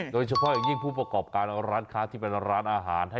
โดยเฉพาะอย่างยิ่งผู้ประกอบการร้านค้าที่เป็นร้านอาหาร